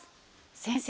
先生